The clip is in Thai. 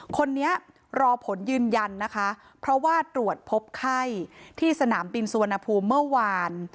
คนนี้รอผลยืนยันนะคะเพราะว่าตรวจพบไข้ที่สนามบินสุวรรณภูมิเมื่อวาน